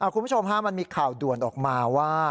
คุณผู้ชมมันมีข่าวด่วนออกมาว่า